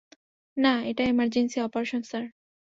না, এটা emergency operation, sir.